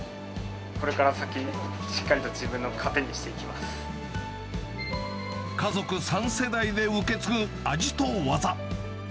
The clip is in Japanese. これから先、しっかりと自分家族３世代で受け継ぐ味と技。